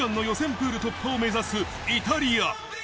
プール突破を目指すイタリア。